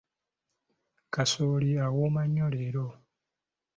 Kasooli awooma nnyo leero.